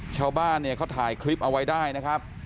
ชาวบ้านเนี่ยเขาถ่ายคลิปเอาไว้ได้นะครับ